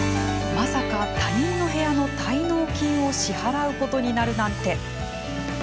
まさか他人の部屋の滞納金を支払うことになるなんて。